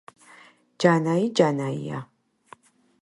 ჯანაი ჯანაია